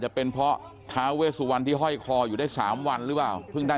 จะเป็นเพราะท้าเวสุวรรณที่ห้อยคออยู่ได้๓วันหรือเปล่าเพิ่งได้